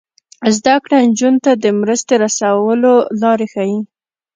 زده کړه نجونو ته د مرستې رسولو لارې ښيي.